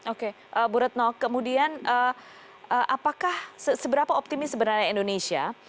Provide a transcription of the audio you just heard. oke bu retno kemudian apakah seberapa optimis sebenarnya indonesia